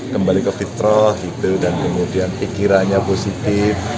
kembali ke fitroh gitu dan kemudian pikirannya positif